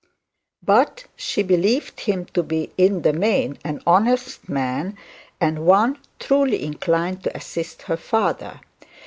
But she believed him to be in the main an honest man, and one truly inclined to assist her father.